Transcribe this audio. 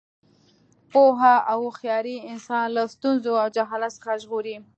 پوهه او هوښیاري انسان له ستونزو او جهالت څخه ژغوري.